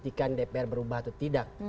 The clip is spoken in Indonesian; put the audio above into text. untuk menunjukkan dpr berubah atau tidak